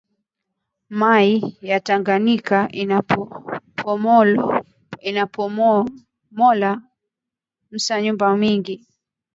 Mayi ya tanganika inapomola ma nyumba mingi